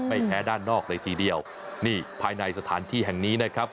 แพ้ด้านนอกเลยทีเดียวนี่ภายในสถานที่แห่งนี้นะครับ